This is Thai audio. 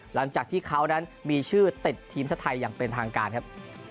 หลังจากที่เขานั้นมีชื่อติดทีมชาติไทยอย่างเป็นทางการครับ